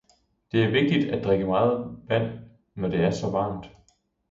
Det er vigtigt at drikke meget vand, når det er så varmt.